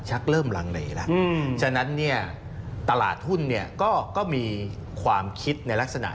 ชักเริ่มลังเลแล้วฉะนั้นตลาดหุ้นก็มีความคิดในลักษณะ